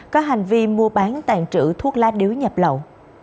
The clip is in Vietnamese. có hành vi mua bán tàn trữ thuốc lá điếu nhập lậu